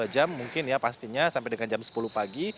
dua jam mungkin ya pastinya sampai dengan jam sepuluh pagi